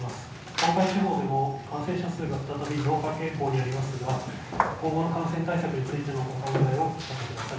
東海地方でも感染者数が再び増加傾向にありますが、今後の感染対策についてのお考えをお聞かせください。